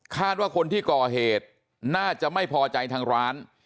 ว่าคนที่ก่อเหตุน่าจะไม่พอใจทางร้าน